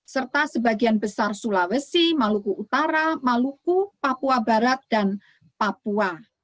serta sebagian besar sulawesi maluku utara maluku papua barat dan papua